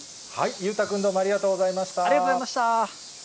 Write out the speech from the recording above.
裕太君、ありがとうございました。